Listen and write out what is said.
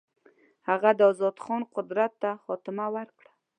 هغه د آزاد خان قدرت ته خاتمه ورکړه.